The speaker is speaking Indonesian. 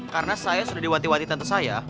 karena saya sudah diwati wati tante saya